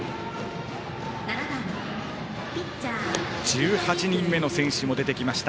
１８人目の選手も出てきました。